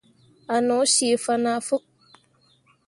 A no cii fana fok.